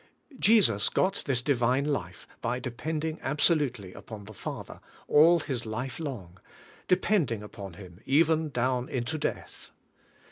CHRIST OUR LIFE 85 Jesus got this divine life by depending abso lutely upon the Father all His life long, depending upon Him even down into death.